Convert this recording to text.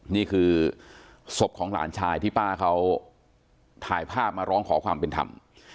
นี่คือศพของหลานชายที่ป้าเขาถ่ายภาพมาร้องขอความเป็นธรรม